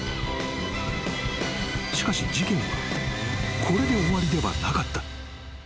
［しかし事件はこれで終わりではなかった］